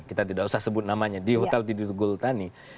kita tidak usah sebut namanya di hotel di tugutani